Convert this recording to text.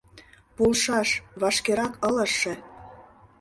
Полшаш, вашкерак ылыжше!